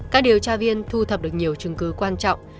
các điều tra viên thu thập được nhiều chứng cứ quan trọng